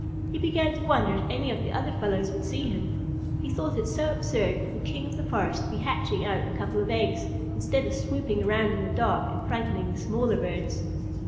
He began to wonder if any of the other fellows would see him. He thought it so absurd for the king of the forest to be hatching out a couple of eggs, instead of swooping around in the dark and frightening the smaller birds.